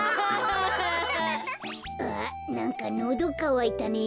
あなんかのどかわいたね。